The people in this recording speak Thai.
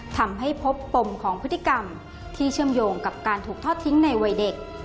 ทำให้พบปมของพฤติกรรมที่เชื่อมโยงกับการถูกทอดทิ้งในวัยเด็ก